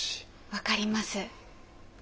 分かります。